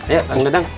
ayak kum gedang